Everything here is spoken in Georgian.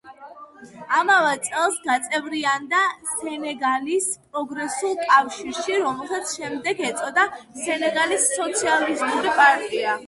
ამავე წელს გაწევრიანდა სენეგალის პროგრესულ კავშირში, რომელსაც შემდეგ ეწოდა სენეგალის სოციალისტური პარტია.